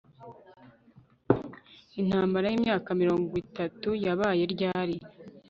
Intambara yimyaka mirongo itatu yabaye ryari